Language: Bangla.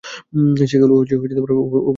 সেগুলো ওভাবেই পরে আছে।